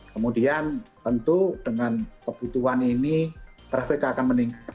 kemudian tentu dengan kebutuhan ini traffic akan meningkat